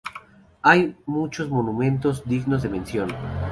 Hay muchos monumentos dignos de mención.